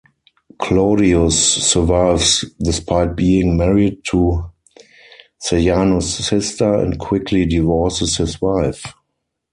Claudius survives despite being married to Sejanus' sister, and quickly divorces his wife.